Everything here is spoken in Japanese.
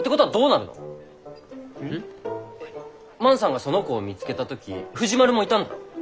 万さんがその子を見つけた時藤丸もいたんだろ？